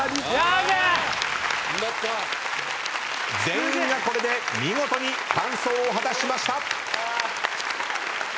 全員がこれで見事に完走を果たしました。